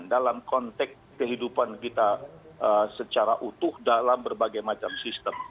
dalam konteks kehidupan kita secara utuh dalam berbagai macam sistem